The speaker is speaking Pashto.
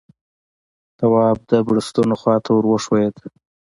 تواب د بړستنو خواته ور وښويېد.